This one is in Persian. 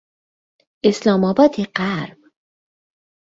اسلامآباد غرب